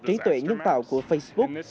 trí tuệ nhân tạo của facebook